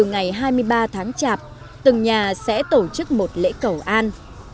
đầu từ ngày hai mươi ba tháng chạp từng nhà sẽ tổ chức một lễ cầu an